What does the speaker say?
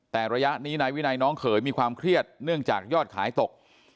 แต่ระยะนี้นายวินัยน้องเขยมีความเครียดเนื่องจากยอดขายตก